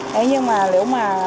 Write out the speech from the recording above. thế nhưng mà nếu mà